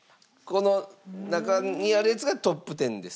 この中にあるやつがトップ１０です。